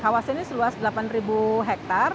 kawasan ini seluas delapan ribu hektar